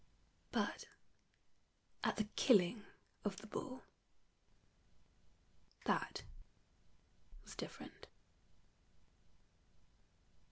But at the killing of the bull, that was different.